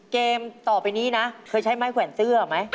เกมต่อไปนี้นะเคยใช้ไม้แขวนเสื้อไหม